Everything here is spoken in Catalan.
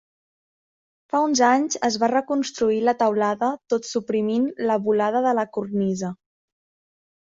Fa uns anys es va reconstruir la teulada tot suprimint la volada de la cornisa.